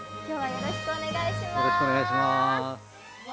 よろしくお願いします。